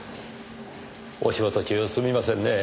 お仕事中すみませんねぇ。